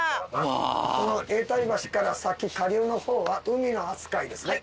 この永代橋から先下流の方は海の扱いですね。